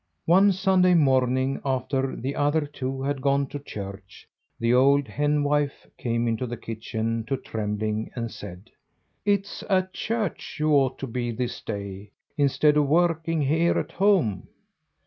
One Sunday morning, after the other two had gone to church, the old henwife came into the kitchen to Trembling, and said: "It's at church you ought to be this day, instead of working here at home."